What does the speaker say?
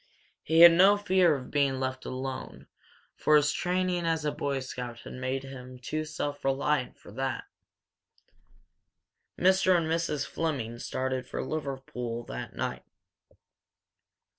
He had no fear of being left alone for his training as a Boy Scout had made him too self reliant for that. Mr. and Mrs. Fleming started for Liverpool that night.